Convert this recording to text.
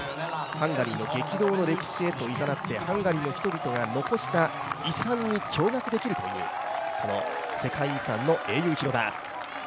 ハンガリーの激動の歴史へと誘って、ハンガリーの人たちが残した遺産に驚愕できるというこの世界遺産、英雄広場。